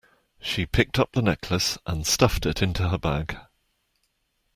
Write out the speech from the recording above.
She picked up the necklace and stuffed it into her bag